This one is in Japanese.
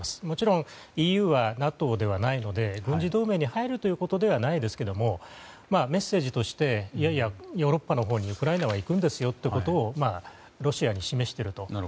もちろんＥＵはＮＡＴＯではないので軍事同盟に入るということではないですがメッセージとしていやいや、ヨーロッパのほうにウクライナは行くんですよということをロシアに示していると。